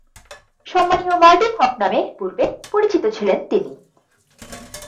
সম্মানীয় মার্টিন হক নামে পূর্বে পরিচিত ছিলেন তিনি।